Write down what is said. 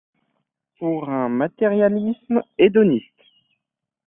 Pour un matérialisme hédoniste.